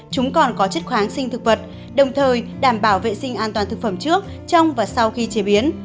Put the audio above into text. chúng còn có chất khoáng sinh thực vật đồng thời đảm bảo vệ sinh an toàn thực phẩm trước trong và sau khi chế biến